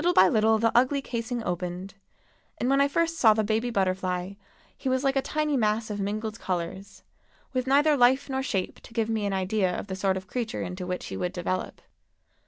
Little by little the ugly casing opened, and when I first saw the baby butterfly he was like a tiny mass of mingled colors, with neither life nor shape to give me an idea of the sort of creature into which he would develop.